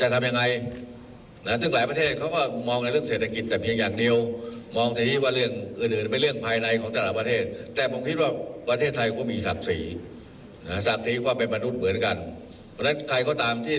ที่ระมือดกฎหมายของแต่ละประเทศมาทำผิดในประเทศไทย